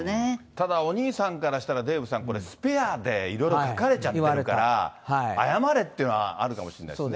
ただ、お兄さんからしたら、デーブさん、これ、スペアでいろいろ書かれちゃってるから、謝れっていうのはあるかもしれないですね。